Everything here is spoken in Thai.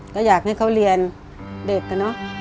ก็อยากให้เขาเรียนเด็กนะเนอะ